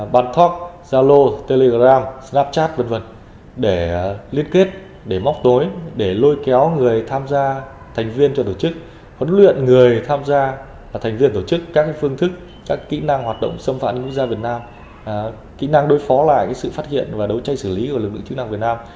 bàn talk zalo telegram snapchat v v để liên kết để móc tối để lôi kéo người tham gia thành viên cho tổ chức huấn luyện người tham gia và thành viên tổ chức các phương thức các kỹ năng hoạt động xâm phạm anh quốc gia việt nam kỹ năng đối phó lại sự phát hiện và đấu chay xử lý của lực lượng chức năng việt nam